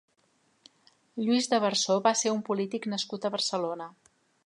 Lluís d'Averçó va ser un polític nascut a Barcelona.